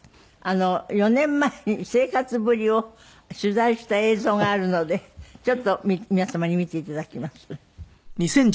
４年前に生活ぶりを取材した映像があるのでちょっと皆様に見て頂きます。